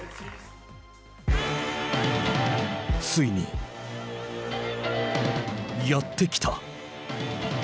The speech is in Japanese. ついにやってきた。